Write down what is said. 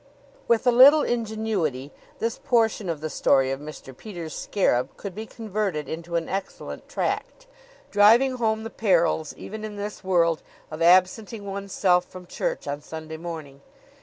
With a little ingenuity this portion of the story of Mr. Peters' scarab could be converted into an excellent tract, driving home the perils, even in this world, of absenting one's self from church on Sunday morning.